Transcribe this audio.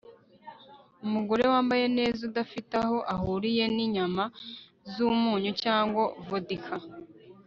umugore wambaye neza udafite aho ahuriye ninyama zumunyu cyangwa vodka